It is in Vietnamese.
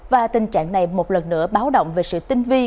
và tình trạng này một lần nữa báo động về sự tinh vi